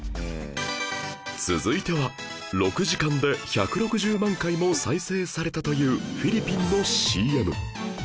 続いては６時間で１６０万回も再生されたというフィリピンの ＣＭ